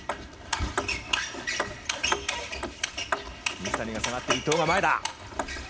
水谷が下がって、伊藤が前だ。